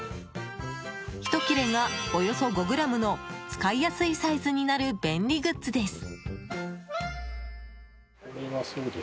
ひと切れが、およそ５ｇの使いやすいサイズになる便利グッズです。